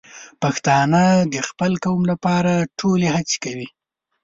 پښتانه د خپل قوم لپاره ټولې هڅې کوي.